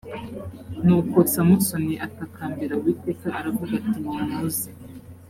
nuko samusoni atakambira uwiteka aravuga ati nimuze